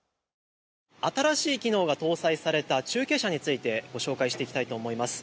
新しい機能が搭載された中継車についてご紹介していきたいと思います。